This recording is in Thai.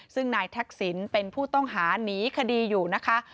ซึ่งนายทักษิณเป็นผู้ต้องหาหนีคดีอยู่นะคะ